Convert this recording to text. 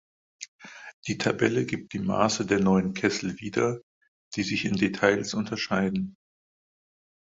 Die Tabelle gibt die Maße der neuen Kessel wieder, die sich in Details unterschieden.